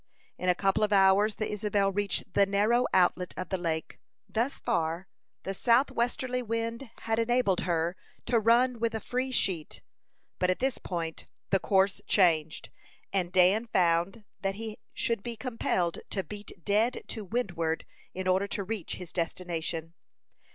In a couple of hours the Isabel reached the narrow outlet of the lake. Thus far, the south westerly wind had enabled her to run with a free sheet; but at this point the course changed, and Dan found that he should be compelled to beat dead to windward in order to reach his destination.